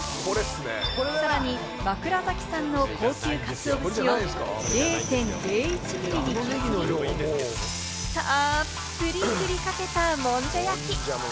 さらに枕崎産の高級かつお節を０．０１ミリに削り、たっぷりかけた、もんじゃ焼き。